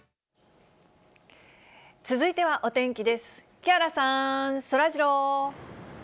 木原さん、そらジロー。